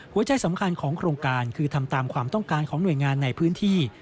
หัวใจสำคัญของโครงการคือทำตามความต้องการของหน่วยงานในพื้นที่